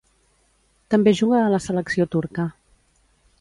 També juga a la selecció turca.